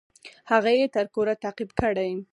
هغه يې تر کوره تعقيب کړى.